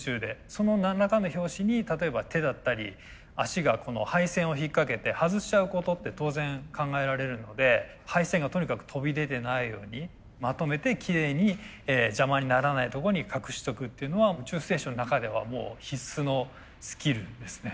その何らかの拍子に例えば手だったり足が配線を引っ掛けて外しちゃうことって当然考えられるので配線がとにかく飛び出てないようにまとめてきれいに邪魔にならない所に隠しとくっていうのは宇宙ステーションの中ではもう必須のスキルですね。